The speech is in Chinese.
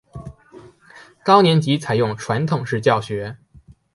高年级采用传统式教学。